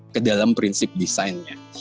kedalam prinsip desainnya